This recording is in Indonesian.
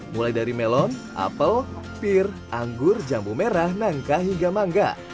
mulai dari melon apel pir anggur jambu merah nangka hingga mangga